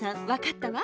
わかった！